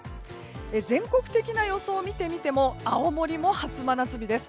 全国的な予想を見てみても青森も初真夏日です。